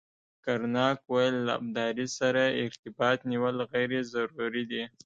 کرناک ویل له ابدالي سره ارتباط نیول غیر ضروري دي.